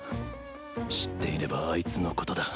知っていればあいつのことだ